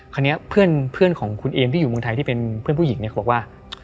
คราวนี้เพื่อนของคุณเอมที่อยู่เมืองไทยที่เป็นเพื่อนผู้หญิงเนี่ยเขาบอกว่า